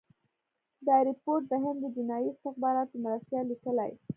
دا رپوټ د هند د جنايي استخباراتو مرستیال لیکلی.